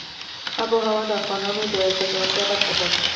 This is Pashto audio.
آب وهوا د افغانانو د ګټورتیا برخه ده.